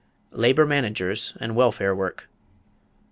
=Labor Managers and Welfare Work.